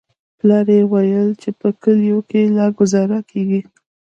پلار يې ويل چې په کليو کښې لا گوزاره کېږي.